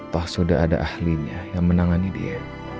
toh sudah ada ahlinya yang menangani dia